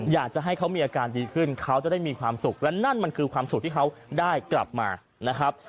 อยากจะให้เขามีอาการดีขึ้นเขาจะได้มีความสุขและนั่นมันคือความสุขที่เขาได้กลับมานะครับ